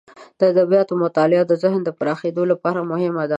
د ادبیاتو مطالعه د ذهن د پراخیدو لپاره مهمه ده.